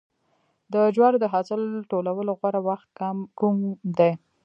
د جوارو د حاصل ټولولو غوره وخت کوم دی؟